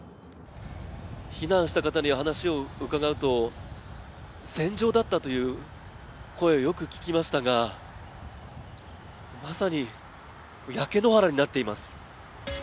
避難した方に話を伺うと、戦場だったという声をよく聞きましたがまさに焼け野原になっています。